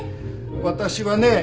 私はね